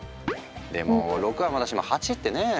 でも６はまだしも８ってねえ？